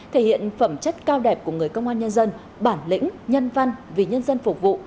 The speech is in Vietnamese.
thể hiện phẩm chất cao đẹp của người công an nhân dân bản lĩnh nhân văn vì nhân dân phục vụ